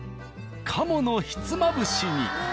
鴨のひつまぶしに。